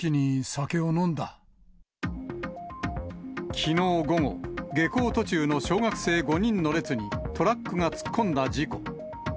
きのう午後、下校途中の小学生５人の列にトラックが突っ込んだ事故。